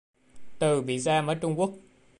Từ bị giam ở Trung Quốc